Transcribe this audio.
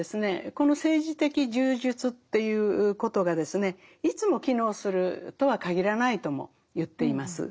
この政治的柔術ということがですねいつも機能するとは限らないとも言っています。